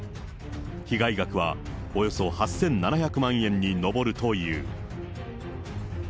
被害額はおよそ８７００万円に上るという。